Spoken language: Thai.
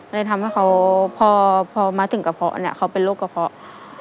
เลยทำให้เขาพอมาถึงกระเพาะเนี่ยเขาเป็นโรคกระเพาะ